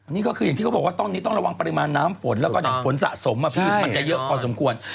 นี่ก็คืออย่างที่เขาบอกว่าตอนนี้ต้องระวังปริมาณน้ำฝนแล้วก็อย่างฝนสะสมมันจะเยอะพอสมควร